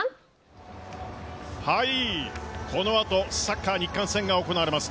このあとサッカー日韓戦が行われます